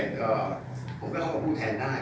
ผมก็ไม่รู้แทนได้